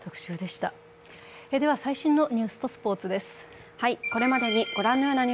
では最新のニュースとスポーツです。